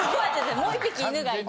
もう１匹犬がいて。